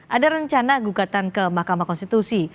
ada rencana gugatan ke mahkamah konstitusi